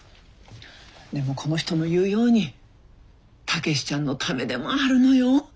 でもこの人の言うように武志ちゃんのためでもあるのよ。